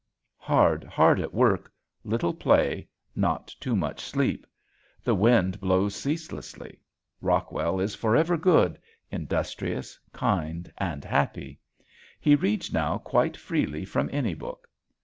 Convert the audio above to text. Hard, hard at work, little play, not too much sleep. The wind blows ceaselessly. Rockwell is forever good, industrious, kind, and happy. He reads now quite freely from any book.